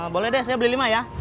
boleh deh saya beli lima ya